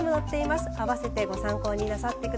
併せてご参考になさってください。